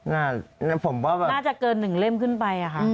น่าจะเกินหนึ่งเล่มขึ้นไป